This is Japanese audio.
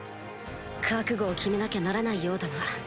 覚悟を決めなきゃならないようだな